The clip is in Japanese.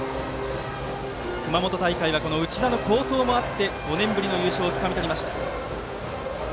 熊本大会は内田の好投もあり５年ぶりの優勝をつかみ取りました。